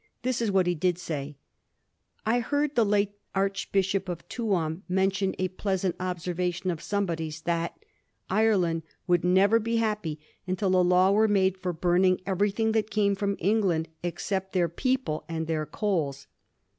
This is what he did say :^ I heard the late Archbishop of Tuam mention a pleasant observation of somebody's that " Ireland would never be happy until a law were made for burning every tlung that came from England except their people and their coals."